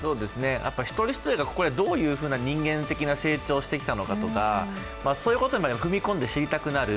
一人一人がどういうふうな人間的な成長をしてきたのかそういうことまで踏み込んで知りたくなる。